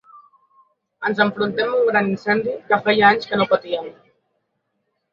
Ens enfrontem a un gran incendi que feia anys que no patíem.